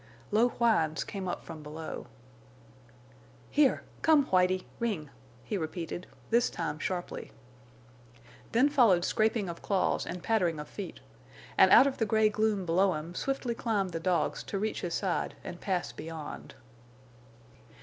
Low whines came up from below. "Here! Come, Whitie—Ring," he repeated, this time sharply. Then followed scraping of claws and pattering of feet; and out of the gray gloom below him swiftly climbed the dogs to reach his side and pass beyond.